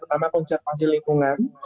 pertama konservasi lingkungan